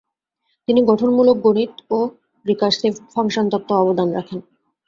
তিনি গঠনমূলক গণিত ও রিকার্সিভ ফাংশন তত্ত্বে অবদান রাখেন।